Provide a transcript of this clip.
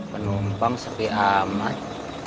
menumpang seli amat